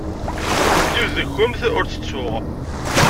Yiwet deg-kumt ur tt-tettuɣ.